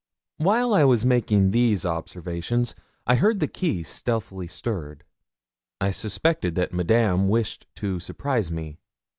While I was making these observations, I heard the key stealthily stirred. I suspect that Madame wished to surprise me.